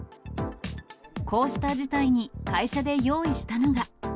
こうした事態に、会社で用意したのが。